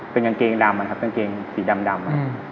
เป็นกางเกงสีดำดำ